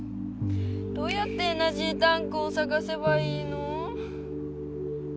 どうやってエナジータンクをさがせばいいの？